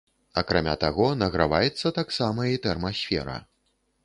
Акрамя таго, награваецца таксама і тэрмасфера.